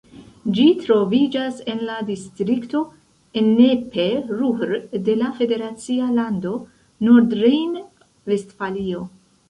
Ĝi troviĝas en la distrikto Ennepe-Ruhr de la federacia lando Nordrejn-Vestfalio.